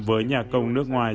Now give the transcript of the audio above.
với nhạc công nước ngoài